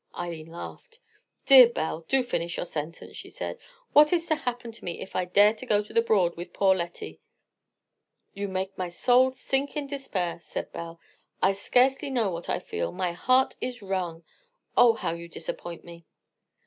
Eileen laughed. "Dear Belle, do finish your sentence," she said. "What is to happen to me if I dare to go to the Broad with poor Lettie?" "You make my soul sink in despair," said Belle. "I scarcely know what I feel; my heart is wrung. Oh! how you disappoint me!"